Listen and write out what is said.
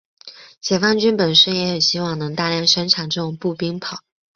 解放军本身也很希望能大量生产这种步兵炮。